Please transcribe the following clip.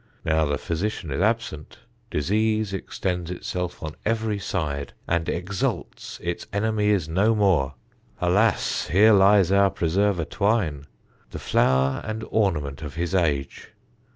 Now the physician is absent, disease extends itself on every side, and exults its enemy is no more. Alas! here lies our preserver Twyne; the flower and ornament of his age.